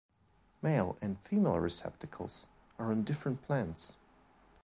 Male and female receptacles are on different plants.